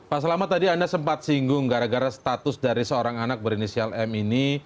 pak selamat tadi anda sempat singgung gara gara status dari seorang anak berinisial m ini